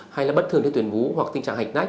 hay là bất thường đến tuyên vú hoặc tình trạng hạch nách